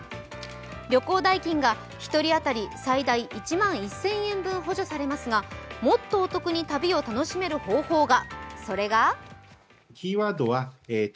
旅行代金が１人当たり、最大１万１０００円分補助されますがもっとお得に旅を楽しめる方法が。